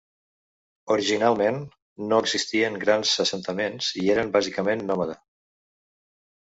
Originalment no existien grans assentaments i eren bàsicament nòmada.